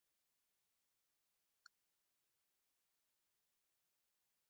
Dêr moatte hurde ôfspraken oer makke wurde mei de autoriteiten.